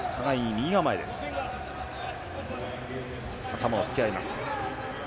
頭を突き合います。